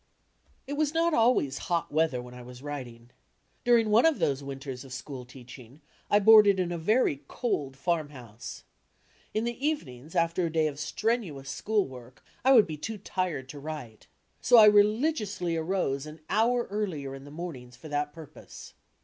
It was not always hot weather when I was writing. Dur ing one of those winters of school teaching I boarded in a very cold farmhouse. In the evenings, after a day of strenu ous school work, I would be too tired to write. So I reli giously arose an hour earlier in the mornings for that pur pose.